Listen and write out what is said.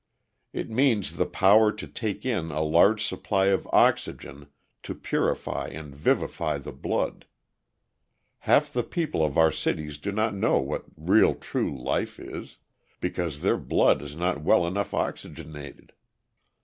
It means the power to take in a larger supply of oxygen to purify and vivify the blood. Half the people of our cities do not know what real true life is, because their blood is not well enough oxygenated.